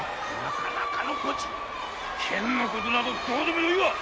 剣のことなどどうでもよいわ！